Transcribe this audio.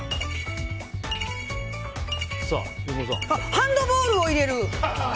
ハンドボールを入れる！